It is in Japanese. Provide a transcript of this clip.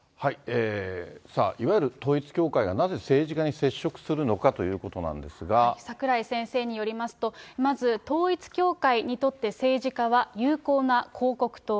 さあいわゆる統一教会が、なぜ政治家に接触するのかというこ櫻井先生によりますと、まず統一教会にとって、政治家は、有効な広告塔。